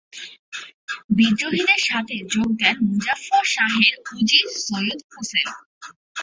বিদ্রোহীদের সাথে যোগ দেন মুজাফফর শাহের উজির সৈয়দ হুসেন।